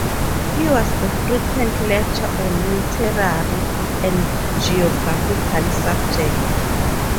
He was a frequent lecturer on literary and geographical subjects.